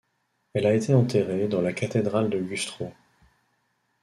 Elle a été enterrée dans la Cathédrale de Güstrow.